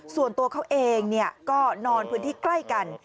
ส่วนตัวเขาเองก็นอนพื้นที่ใกล้กัน